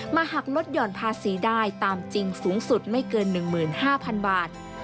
หักลดห่อนภาษีได้ตามจริงสูงสุดไม่เกิน๑๕๐๐๐บาท